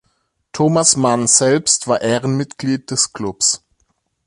Thomas Mann selbst war Ehrenmitglied des Clubs.